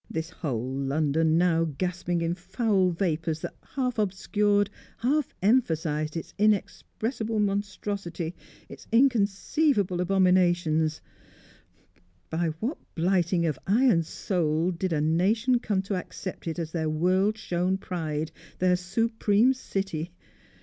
This whole London now gasping in foul vapours that half obscured, half emphasised its inexpressible monstrosity, its inconceivable abominations by what blighting of eye and soul did a nation come to accept it as their world shown pride, their supreme City?